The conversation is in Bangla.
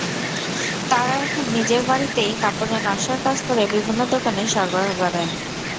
তাঁরা এখন নিজের বাড়িতেই কাপড়ে নকশার কাজ করে বিভিন্ন দোকানে সরবরাহ করেন।